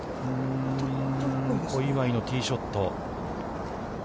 小祝のティーショット。